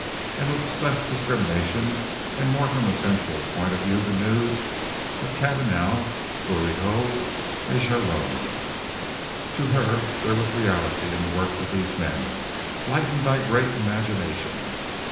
And with less discrimination, and more from a sensual point of view the nudes of Cabanel, Bouguereau and Gerome. To her there was reality in the works of these men, lightened by great imagination.